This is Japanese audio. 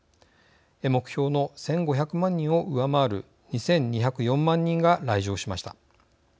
目標の１５００万人を上回る２２０４万人が来場しました。